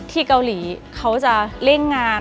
ที่เกาหลีเขาจะเร่งงาน